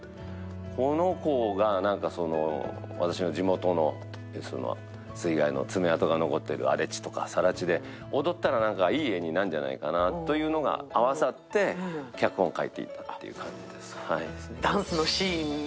この子が私の地元の水害の爪痕が残っている荒れ地とか、さら地で踊ったらいい画になるんじゃないかなというのが合わさって、脚本を書いていったという感じです。